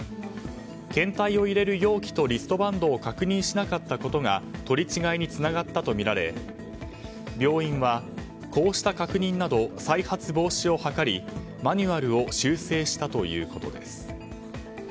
検体を入れる容器とリストバンドを確認しなかったことが取り違えにつながったとみられ病院は、こうした確認など再発防止を図りマニュアルを修正したということです。